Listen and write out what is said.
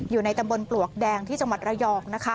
อยู่ในตำบลปลวกแดงที่จังหวัดระยองนะคะ